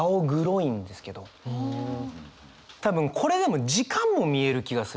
多分これでも時間も見える気がするんですよ。